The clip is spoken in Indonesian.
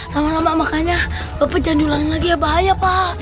sama sama makanya bapak jangan dulangin lagi ya bahaya pak